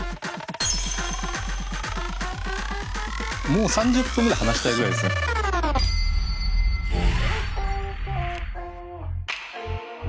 もう３０分ぐらい話したいぐらいですね。